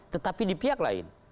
tetapi di pihak lain